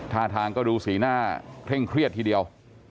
ท่าทางก็ดูสีหน้าเคร่งเครียดทีเดียว